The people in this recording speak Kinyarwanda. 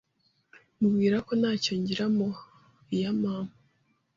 mubwira ko ntayo ngira muha iya mama,